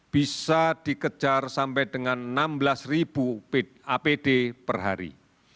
bisa dikejar sampai dengan enam belas ribu apd per hari